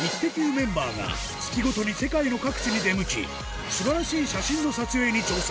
メンバーが月ごとに世界の各地に出向き素晴らしい写真の撮影に挑戦